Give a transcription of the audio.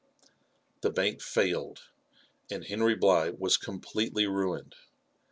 The bank foiled, and Henry Bligh was completely ruined.